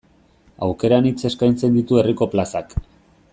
Aukera anitz eskaintzen ditu herriko plazak.